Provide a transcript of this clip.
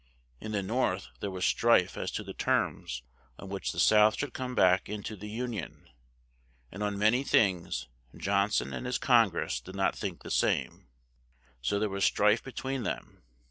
In the North there was strife as to the terms on which the South should come back in to the Un ion; and on ma ny things John son and his Con gress did not think the same; so there was strife be tween them.